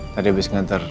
tadi habis ngantar